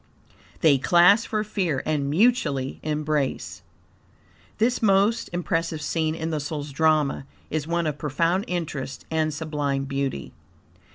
"They clasp for fear and mutually embrace." This most impressive scene in the soul's drama is one of profound interest and sublime beauty.